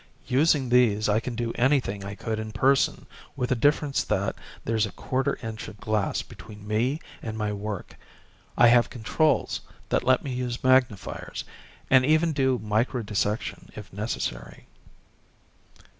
Using these I can do anything I could in person with the difference that there's a quarter inch of glass between me and my work. I have controls that let me use magnifiers, and even do microdissection, if necessary."